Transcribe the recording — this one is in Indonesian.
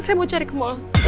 saya mau cari ke mall